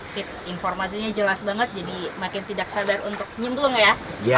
sip informasinya jelas banget jadi makin tidak sabar untuk nyembung ya